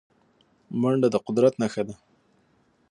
منډه د قدرت نښه ده